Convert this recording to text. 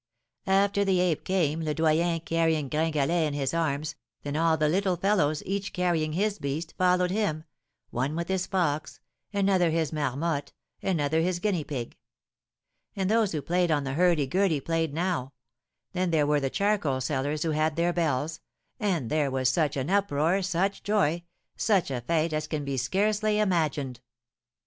After the ape came Le Doyen, carrying Gringalet in his arms; then all the little fellows, each carrying his beast, followed him, one with his fox, another his marmotte, another his guinea pig; and those who played on the hurdy gurdy played now; then there were the charcoal sellers who had their bells, and there was such an uproar, such joy, such a fête as can be scarcely imagined.